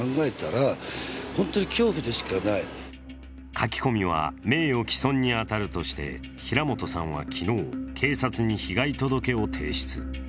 書き込みは名誉毀損に当たるとして平本さんは昨日、警察に被害届を提出。